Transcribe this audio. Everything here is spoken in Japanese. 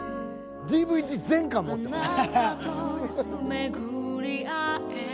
ＤＶＤ全巻持ってます。